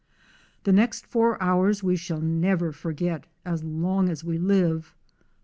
The next four hours we shall never forget as long as we live.